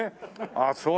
ああそう。